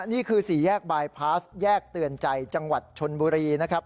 นี่คือสี่แยกบายพาสแยกเตือนใจจังหวัดชนบุรีนะครับ